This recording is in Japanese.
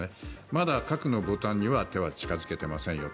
まだ核のボタンには手を近付けていませんよ